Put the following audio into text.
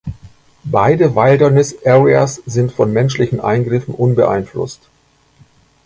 Beide Wilderness Areas sind von menschlichen Eingriffen unbeeinflusst.